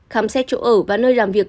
khám xét chỗ ở và nơi làm việc